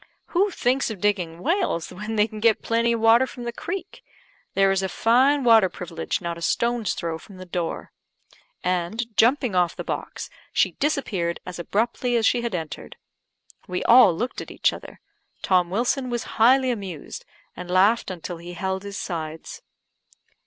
"Who thinks of digging wells when they can get plenty of water from the creek? There is a fine water privilege not a stone's throw from the door," and, jumping off the box, she disappeared as abruptly as she had entered. We all looked at each other; Tom Wilson was highly amused, and laughed until he held his sides.